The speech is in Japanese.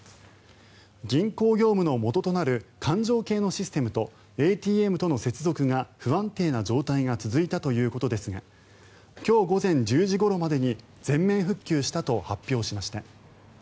銀行業務のもととなる勘定系のシステムとＡＴＭとの接続が不安定な状態が続いたということですが今日午前１０時ごろまでに全面復旧したと発表しました。